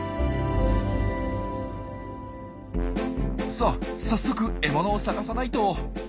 さあ早速獲物を探さないと。